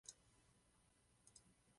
Takové jsou evropské zájmy.